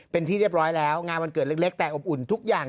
เป็นที่เรียบร้อยแล้วงานวันเกิดเล็กแต่อบอุ่นทุกอย่าง